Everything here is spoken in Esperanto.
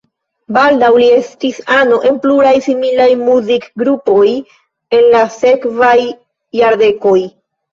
Baldaŭ li estis ano en pluraj similaj muzikgrupoj en la sekvaj jardekoj.